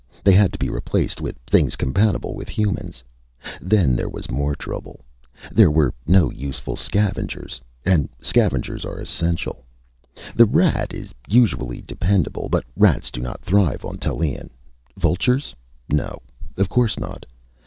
They had to be replaced with things compatible with humans. Then there was more trouble. There were no useful scavengers and scavengers are essential! The rat is usually dependable, but rats do not thrive on Tallien. Vultures no. Of course not.